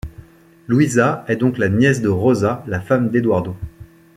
Luisa est donc la nièce de Rosa, la femme d'Eduardo.